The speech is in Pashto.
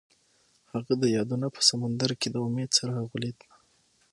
هغه د یادونه په سمندر کې د امید څراغ ولید.